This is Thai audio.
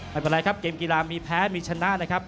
ไม่เป็นไรครับเกมกีฬามีแพ้มีชนะนะครับ